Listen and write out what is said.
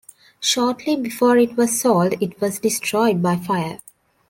Shortly before it was sold it was destroyed by fire.